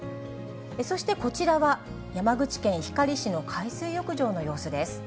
そしてこちらは、山口県光市の海水浴場の様子です。